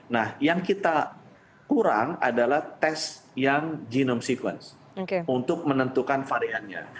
nah yang kita kurang adalah tes yang genome sequence untuk menentukan variannya